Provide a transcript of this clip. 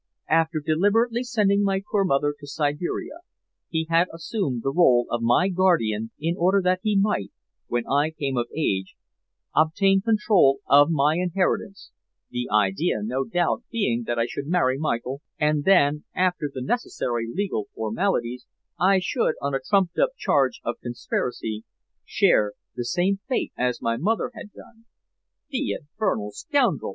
After deliberately sending my poor mother to Siberia, he had assumed the role of my guardian in order that he might, when I came of age, obtain control of my inheritance, the idea no doubt being that I should marry Michael, and then, after the necessary legal formalities, I should, on a trumped up charge of conspiracy, share the same fate as my mother had done." "The infernal scoundrel!"